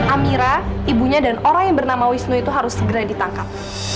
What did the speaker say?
amira ibunya dan orang yang bernama wisnu itu harus segera ditangkap